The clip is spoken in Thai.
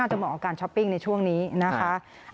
จะเหมาะกับการช้อปปิ้งในช่วงนี้นะคะ